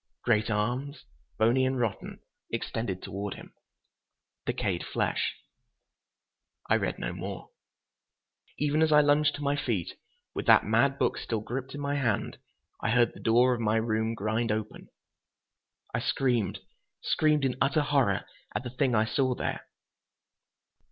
Great arms, bony and rotten, extended toward him. Decayed flesh—" I read no more. Even as I lunged to my feet, with that mad book still gripped in my hand, I heard the door of my room grind open. I screamed, screamed in utter horror at the thing I saw there.